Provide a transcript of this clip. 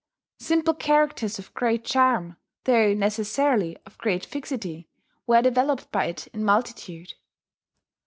Simple characters of great charm, though necessarily of great fixity, were developed by it in multitude.